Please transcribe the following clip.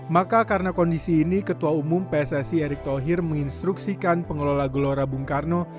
maka karena kondisi ini ketua umum pssi erick thohir menginstruksikan pengelola gelora bung karno